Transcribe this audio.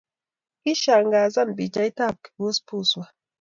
Kishangasan pichaitab kibubuswa